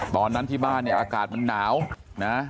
ตอนนั้นที่บ้านเนี่ยอากาศมันหนาวนะ